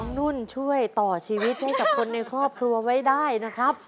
นุ่นช่วยต่อชีวิตให้กับคนในครอบครัวไว้ได้นะครับ